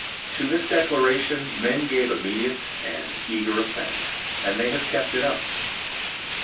To this declaration men gave immediate and eager assent and they have kept it up.